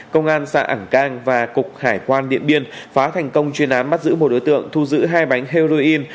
công an xã ẳng cang và cục hải quan điện biên phá thành công chuyên án bắt giữ một đối tượng thu giữ hai bánh heroin